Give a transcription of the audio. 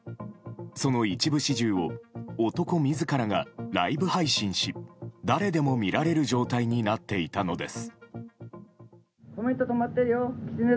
その一部始終を男自らがライブ配信し誰でも見られる状態になっていたのです。